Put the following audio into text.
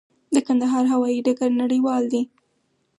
د کندهار هوايي ډګر نړیوال دی؟